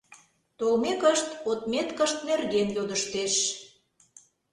Толмекышт, отметкышт нерген йодыштеш.